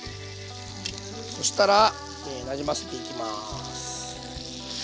そしたらなじませていきます。